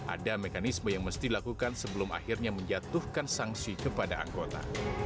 ada mekanisme yang mesti dilakukan sebelum akhirnya menjatuhkan sanksi kepada anggota